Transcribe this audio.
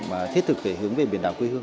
mà thiết thực phải hướng về biển đảo quy hương